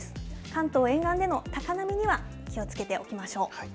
関東沿岸での高波には気をつけていきましょう。